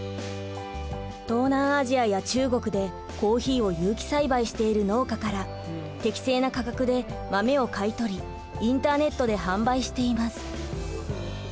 東南アジアや中国でコーヒーを有機栽培している農家から適正な価格で豆を買い取りインターネットで販売しています。